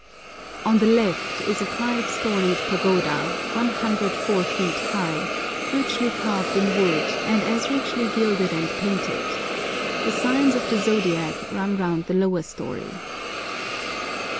On the left is a five storied pagoda, 104 feet high, richly carved in wood and as richly gilded and painted. The signs of the zodiac run round the lower story.